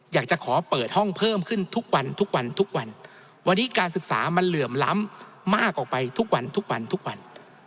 อยากจะขอเปิดห้องเพิ่มขึ้นทุกวันทุกวันทุกวันทุกวันทุกวันวันนี้การศึกษามันเหลื่อมล้ำมากออกไปทุกวันทุกวันทุกวันทุกวันทุกวัน